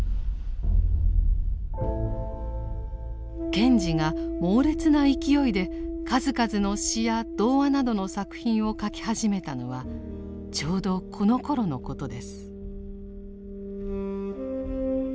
賢治が猛烈な勢いで数々の詩や童話などの作品を書き始めたのはちょうどこのころのことです。